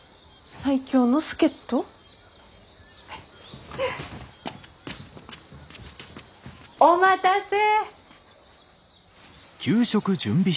最強の助っ人？お待たせ。